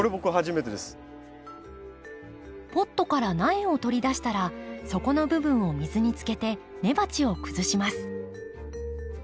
ポットから苗を取り出したら底の部分を水につけて根鉢を崩します。